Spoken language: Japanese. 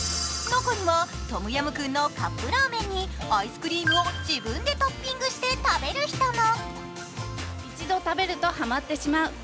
中にはトムヤムクンのカップラーメンにアイスクリームを自分でトッピングして食べる人も。